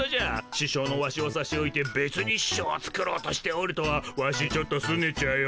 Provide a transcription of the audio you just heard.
ししょうのワシをさしおいてべつにししょうを作ろうとしておるとはワシちょっとすねちゃうよ。